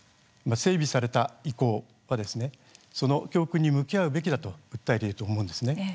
整備された遺構はその教訓に向き合うべきだと訴えているように思います。